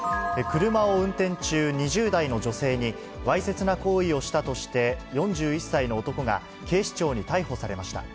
車を運転中、２０代の女性にわいせつな行為をしたとして、４１歳の男が警視庁に逮捕されました。